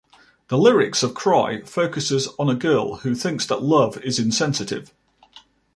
The lyrics of "Cry" focuses on a girl who thinks that love is insensitive.